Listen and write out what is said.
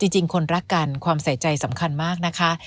จริงคนรักกันความใส่ใจสำคัญมากนะคะ